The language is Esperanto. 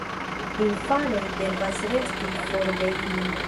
Infanoj devas resti for de ili.